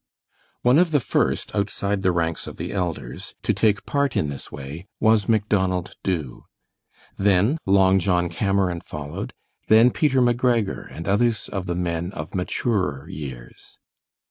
One of the first, outside the ranks of the elders, to take part in this way was Macdonald Dubh; then Long John Cameron followed; then Peter McGregor and others of the men of maturer years.